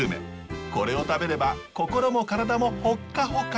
これを食べれば心も体もホッカホカ。